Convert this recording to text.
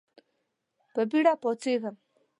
په بېړه پاڅېږم .